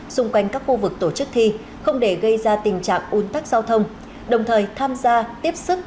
xung quanh các khu vực tổ chức thi không để gây ra tình trạng un tắc giao thông đồng thời tham gia tiếp sức